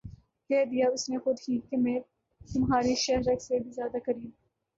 کہہ دیا اس نے خود ہی کہ میں تمھاری شہہ رگ سے بھی زیادہ قریب